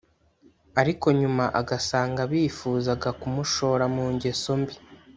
ariko nyuma agasanga bifuzaga kumushora mu ngeso mbi.